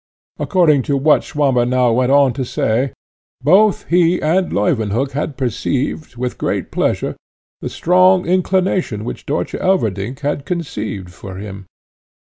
According to what Swammer now went on to say, both he and Leuwenhock had perceived, with great pleasure, the strong inclination which Dörtje Elverdink had conceived for him.